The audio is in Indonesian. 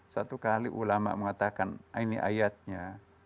satu kali ulama mengatakan ini ayatnya